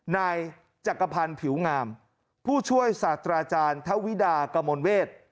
นายจักรพันธ์ผิวงามผู้ช่วยศาสตราจารย์ทวิดากมลเวท